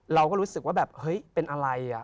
เราก็รู้สึกว่าเป็นอะไร